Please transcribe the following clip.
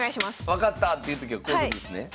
分かった！っていうときはこういうことですね？